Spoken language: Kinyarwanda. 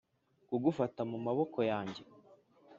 kugufata mu maboko yanjye